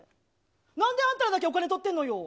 なんであんたらだけお金取ってんのよ。